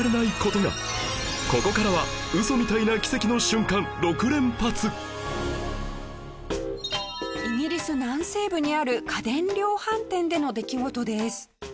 ここからはイギリス南西部にある家電量販店での出来事です。